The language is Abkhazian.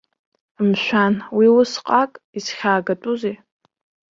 Мшәан, уи усҟак изхьаагатәузеи.